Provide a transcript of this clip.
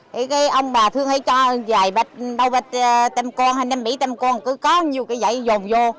thì cái ông bà thường hay cho vài bạch bao bạch tên con hay nêm mỹ tên con cứ có nhiều cái giấy dồn vô